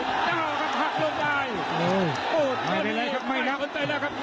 เป็นยันนี้เฉลี่ยใครคนใส่แล้วครับ